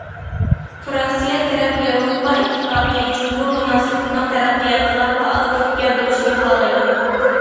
فىرانسىيە تەرەپ ياۋروپا ئىتتىپاقى- جۇڭگو مۇناسىۋىتىنىڭ تەرەققىياتىغا پائال تۈرتكە بولۇشنى خالايدۇ.